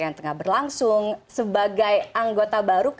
yang tengah berlangsung sebagai anggota baru